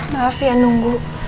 maaf ya nunggu